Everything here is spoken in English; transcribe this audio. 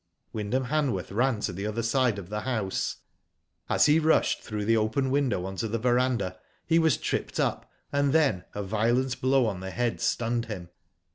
Wyndham Hanworth ran to the other side of the house. As he rushed through the open window on to the verandah, he was tripped up, and then a violent blow on the head stunned him.